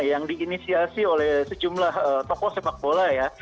yang diinisiasi oleh sejumlah tokoh sepak bola ya